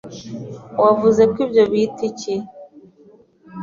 Wavuze ko ibyo bita iki?